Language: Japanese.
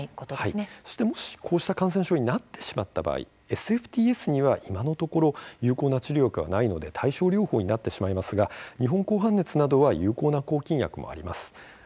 もしこうした感染症になってしまった場合ＳＦＴＳには今のところ有効な治療薬がないので対症療法になりますが日本紅斑熱などは有効な抗菌薬があります。